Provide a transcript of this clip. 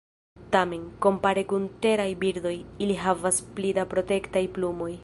Tamen, kompare kun teraj birdoj, ili havas pli da protektaj plumoj.